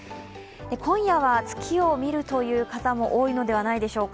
今夜は月を見るという方も多いのではないでしょうか。